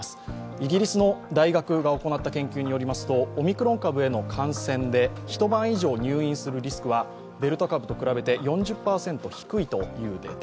イギリスの大学が行った研究によりますとオミクロン株への感染で一晩以上入院するリスクはデルタ株と比べて４０％低いというデータ。